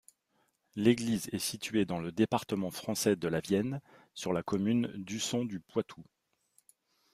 L'église est située dans le département français de la Vienne, sur la commune d'Usson-du-Poitou.